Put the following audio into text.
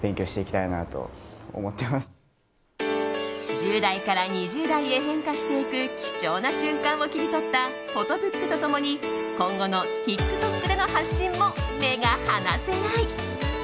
１０代から２０代へ変化していく貴重な瞬間を切り取ったフォトブックと共に今後のＴｉｋＴｏｋでの発信も目が離せない。